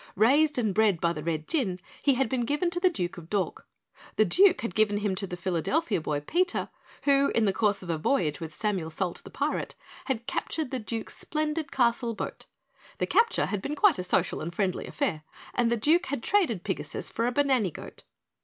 Raised and bred by the Red Jinn, he had been given to the Duke of Dork. The Duke had given him to the Philadelphia boy, Peter, who in the course of a voyage with Samuel Salt, the Pirate, had captured the Duke's splendid castle boat. The capture had been quite a social and friendly affair and the Duke had traded Pigasus for a Bananny Goat.